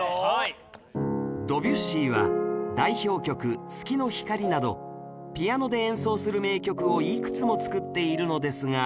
ドビュッシーは代表曲『月の光』などピアノで演奏する名曲をいくつも作っているのですが